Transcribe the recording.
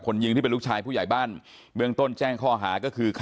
อายุ๑๐ปีนะฮะเขาบอกว่าเขาก็เห็นถูกยิงนะครับ